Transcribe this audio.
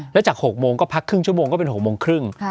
แล้วจาก๖โมงก็พักครึ่งชั่วโมงก็เป็น๖โมงครึ่ง